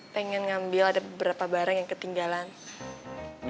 pengen ngambil ada beberapa barang yang ketinggalan